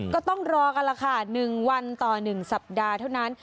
ก็ต้องรอกันล่ะค่ะ๑วันต่อ๑สัปดาห์เท่านั้น